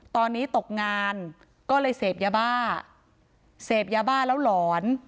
ตอนนี้ตกงานก็เลยเสพยาบ้าเสพยาบ้าแล้วหลอน